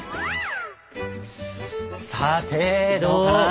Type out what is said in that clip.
さてどうかな？